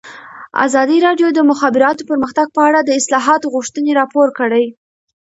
ازادي راډیو د د مخابراتو پرمختګ په اړه د اصلاحاتو غوښتنې راپور کړې.